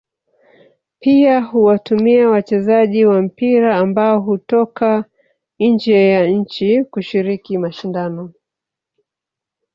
Pia huwatumia wachezaji wa mpira ambao hutoka nje ya nchi kushiriki mashindano